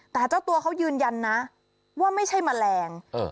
แต่เจ้าตัวเขายืนยันนะว่าไม่ใช่แมลง